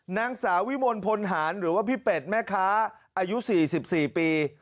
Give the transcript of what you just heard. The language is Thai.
นางสาววิมลพลหารหรือว่าพี่เป็ดแม่ค้าอายุ๔๔ปี